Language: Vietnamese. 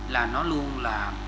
là nó luôn là